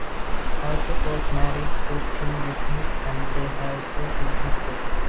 Hackett was married to Tim Disney, and they have two children together.